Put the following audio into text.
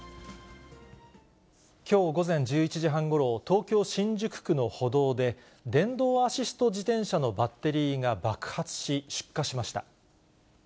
きょう午前１１時半ごろ、東京・新宿区の歩道で、電動アシスト自転車のバッテリーが爆発し、出火しました。